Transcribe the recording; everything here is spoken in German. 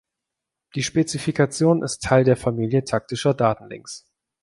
Die Spezifikation ist Teil der Familie taktischer Datenlinks.